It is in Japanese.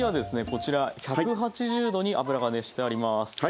こちら１８０℃に油が熱してあります。